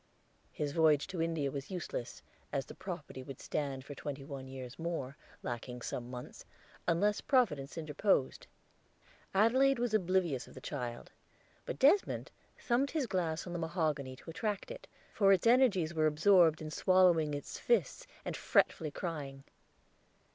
His voyage to India was useless, as the property would stand for twenty one years more, lacking some months, unless Providence interposed. Adelaide was oblivious of the child, but Desmond thumped his glass on the mahogany to attract it, for its energies were absorbed in swallowing its fists and fretfully crying.